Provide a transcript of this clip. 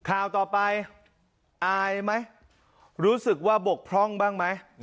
ข่าวต่อไปอายไหมรู้สึกว่าบกพร่องบ้างไหม